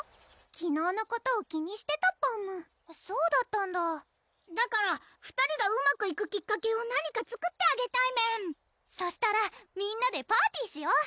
昨日のことを気にしてたパムそうだったんだだから２人がうまくいくきっかけを何か作ってあげたいメンそしたらみんなでパーティしよう